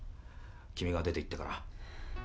君が出て行ってから。